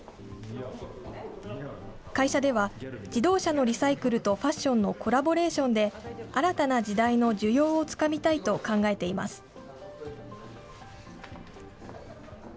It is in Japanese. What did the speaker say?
会社では、自動車のリサイクルとファッションのコラボレーションで、新たな時代の需要をつかみたいと考えています。